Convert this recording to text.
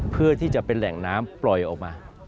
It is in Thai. เพื่อที่จะเป็นแหล่งน้ำปล่อยออกมา